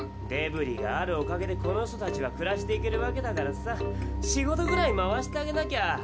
デブリがあるおかげでこの人たちは暮らしていけるわけだからさ仕事ぐらい回してあげなきゃ。